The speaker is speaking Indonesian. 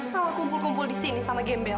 kalau kumpul kumpul di sini sama gembel